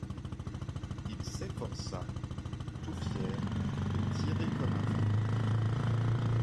Il s’efforça, tout fier, de tirer comme avant.